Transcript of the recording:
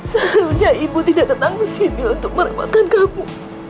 seharusnya ibu tidak datang ke sini untuk merepotkan kamu